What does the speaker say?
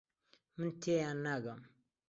من تێیان ناگەم.